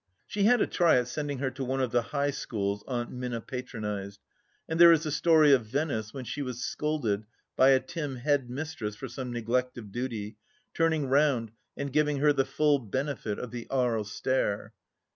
She had a try at sending her to one of the High Schools Aunt Minna patronized, and there is a story of Venice, when she was scolded by a timid head mistress for some neglect of duty, turning round and giving her the full benefit of the Aries Stare.